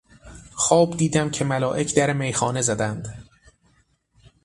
خواب دیدم که ملائک در میخانه زدند